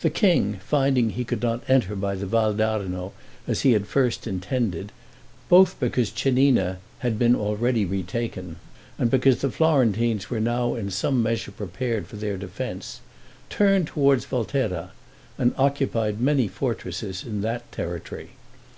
The king, finding he could not enter by the Val d'Arno, as he had first intended, both because Cennina had been already retaken, and because the Florentines were now in some measure prepared for their defense, turned toward Volterra, and occupied many fortresses in that territory.